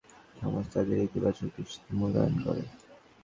যারা বস্তুনিষ্ঠ খবর প্রকাশ করে, সমাজ তাদেরই ইতিবাচক দৃষ্টিতে মূল্যায়ন করে।